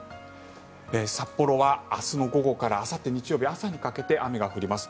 札幌は明日の午後からあさって日曜日の朝にかけて雨が降ります。